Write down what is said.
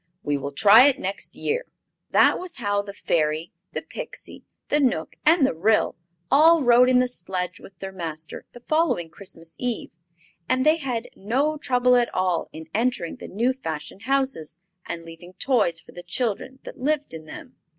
"We will try it next year." That was how the Fairy, the Pixie, the Knook and the Ryl all rode in the sledge with their master the following Christmas Eve; and they had no trouble at all in entering the new fashioned houses and leaving toys for the children that lived in them.